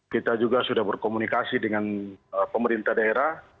kita juga sudah berkomunikasi dengan pemerintah daerah